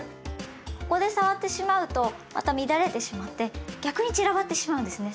ここで触ってしまうとまた乱れてしまって逆に散らばってしまうんですね。